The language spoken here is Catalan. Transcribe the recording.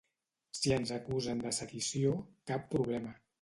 Si ens acusen de sedició, cap problema.